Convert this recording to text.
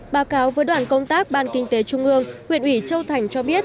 báo cáo với đoàn công tác ban kinh tế trung ương huyện ủy châu thành cho biết